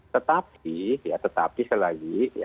tetapi sekali lagi